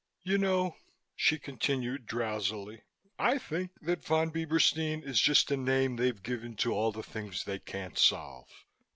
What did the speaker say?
"You know," she continued drowsily, "I think that Von Bieberstein is just a name they've given to all the things they can't solve.